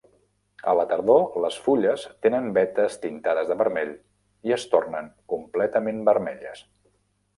A la tardor, les fulles tenen vetes tintades de vermell i es tornen completament vermelles.